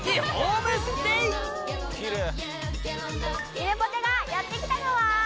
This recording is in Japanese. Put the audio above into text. ゆめぽてがやって来たのは。